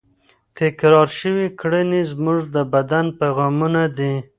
تکرار شوې کړنې زموږ د بدن پیغامونه دي.